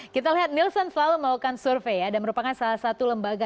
kita lihat nielsen selalu melakukan survei ya dan merupakan salah satu lembaga